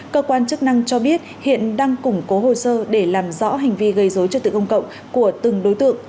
công an cho biết hiện đang củng cố hồ sơ để làm rõ hành vi gây dối trực tự công cộng của từng đối tượng